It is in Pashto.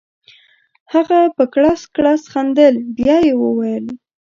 هغه په کړس کړس خندل بیا یې وویل.